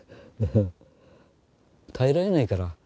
耐えられないから。